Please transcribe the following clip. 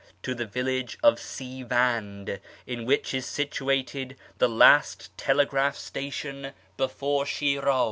to the village of Sivand, in which is situated the last telegraph station before Shiraz.